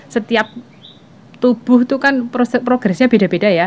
setiap tubuh itu kan progresnya beda beda ya